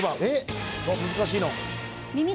難しいの。